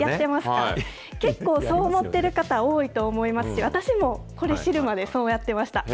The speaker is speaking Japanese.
結構そう思ってる方、多いと思いますし、私もこれ、知るまでそうやってました。